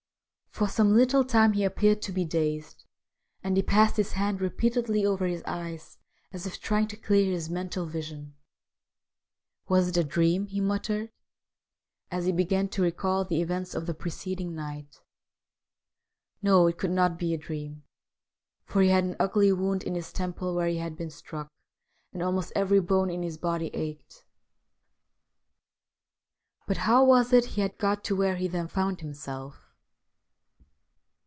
For some little time he appeared to be dazed, and he passed his hand repeatedly over his eyes as if trying to clear his mental vision. ' Was it a dream ?' he muttered, as he began to recall the events of the preceding night. No, it could not be a dream, for he had an ugly wound in his temple where he had been struck, and almost every bone in his body ached. But how was it he had got to where he THE WHITE WITCH OF THE RIVER 19 then found himself